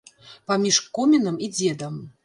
Паміж комінам і дзедам.